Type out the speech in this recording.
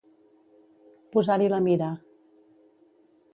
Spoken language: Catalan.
Posar-hi la mira.